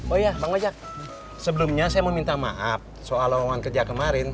oh iya bang lejak sebelumnya saya mau minta maaf soal lawangan kerja kemarin